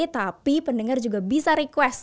tapi pendengar juga bisa request